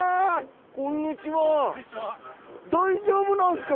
こんにちは大丈夫なんですか？